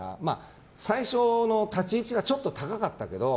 最初の立ち位置がちょっと高かったけど。